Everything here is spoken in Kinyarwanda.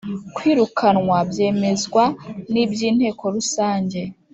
Kwirukanwa byemezwa na by inteko rusange